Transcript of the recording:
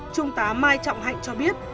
trung tá mai trọng hạnh cho biết